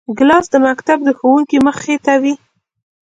ګیلاس د مکتب د ښوونکي مخې ته وي.